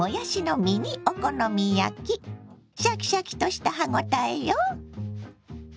シャキシャキとした歯応えよ。